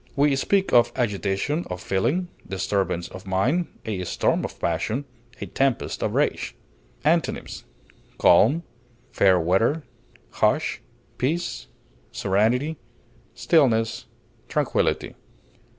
We speak of agitation of feeling, disturbance of mind, a storm of passion, a tempest of rage. Antonyms: calm, fair weather, hush, peace, serenity, stillness, tranquillity.